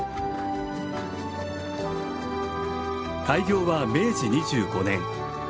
開業は明治２５年。